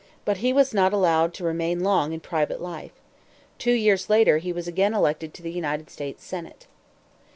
But he was not allowed to remain long in private life. Two years later he was again elected to the United States senate.